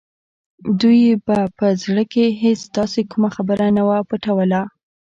دوی به په زړه کې هېڅ داسې کومه خبره نه وه پټوله